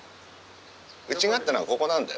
うちがあったのはここなんだよ。